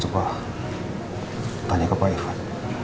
pak tanya ke pak irfan